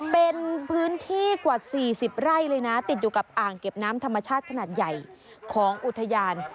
เป็นพื้นที่กว่า๔๐ไร่เลยนะติดอยู่กับอ่างเก็บน้ำธรรมชาติขนาดใหญ่ของอุทยาน